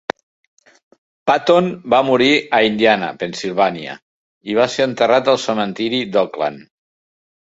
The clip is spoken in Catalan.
Patton va morir a Indiana, Pennsilvània, i va ser enterrat al cementiri d'Oakland.